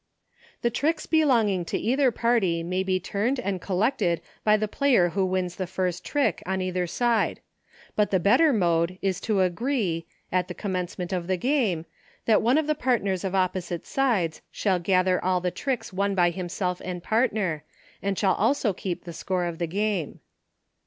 The tricks belonging to either party may be turned and collected by the player who wins the first trick, on either side ; but the ^ better mode is to agree, at the commencement of the game, that one of the partners of op posite sides shall gather all the tricks won by himself and partner, and shall also keep the score of the game.